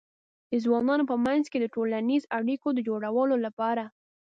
د ځوانانو په منځ کې د ټولنیزو اړیکو د جوړولو لپاره